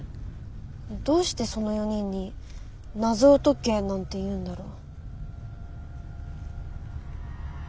どうしてその４人に謎を解けなんて言うんだろ。